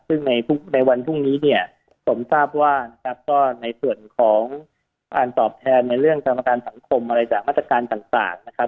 ซึ่งในวันพรุ่งนี้เนี่ยผมทราบว่านะครับก็ในส่วนของการตอบแทนในเรื่องกรรมการสังคมอะไรจากมาตรการต่างนะครับ